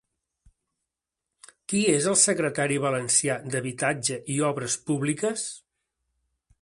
Qui és el secretari valencià d'Habitatge i Obres Públiques?